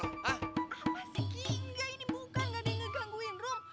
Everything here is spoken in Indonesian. apa sih cik engga ini bukan ga ada yang ngegangguin rom